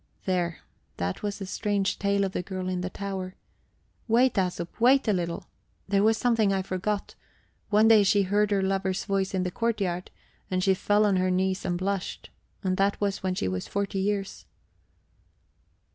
There! That was the strange tale of the girl in the tower. Wait, Æsop, wait a little: there was something I forgot. One day she heard her lover's voice in the courtyard, and she fell on her knees and blushed. And that was when she was forty years...